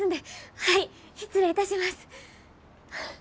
はい失礼いたします。